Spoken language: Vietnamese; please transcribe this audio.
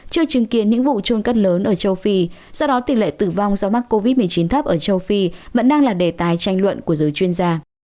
chưa chứng kiến những vụ trôn cất lớn ở châu phi do đó tỷ lệ tử vong do mắc covid một mươi chín thấp ở châu phi vẫn đang là đề tài tranh luận của giới chuyên gia